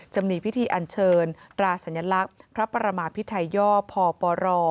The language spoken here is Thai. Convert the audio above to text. จะมีพิธีอันเชิญตราสัญลักษณ์พระประมาพิไทยย่อพปร